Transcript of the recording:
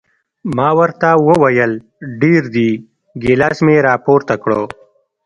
ما ورته وویل ډېر دي، ګیلاس مې را پورته کړ.